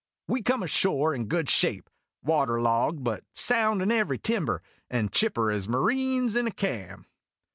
We come ashore in good shape, water logged, but sound in every timber, and chipper as marines in a ca'm.